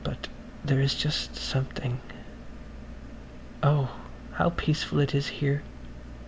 . but there is just something. ... Oh, how peaceful it is here.